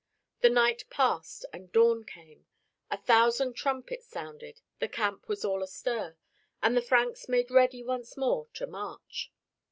The night passed and dawn came. A thousand trumpets sounded, the camp was all astir, and the Franks made ready once more to march.